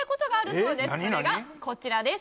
それがこちらです